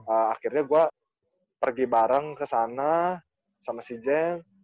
akhirnya gue pergi bareng ke sana sama si jen